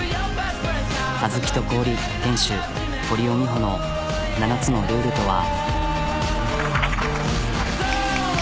あずきとこおり店主堀尾美穂の７つのルールとは？